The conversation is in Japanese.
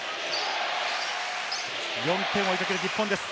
４点を追いかける日本です。